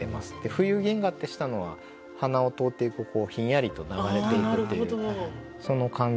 「冬銀河」ってしたのは鼻を通っていくひんやりと流れていくっていうその感じを出したいな。